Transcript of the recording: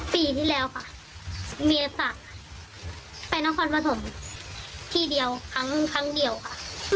ปีที่แล้วค่ะเมียศักดิ์ไปน้องความผสมที่เดียวครั้งครั้งเดียวค่ะ